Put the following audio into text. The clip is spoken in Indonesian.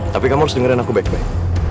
tapi kamu harus dengerin aku baik baik